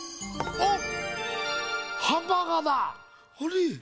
あっ。